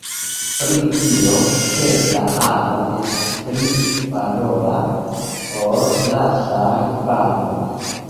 Pri tio, ke la amo estas pli valora, ol rasaj baroj.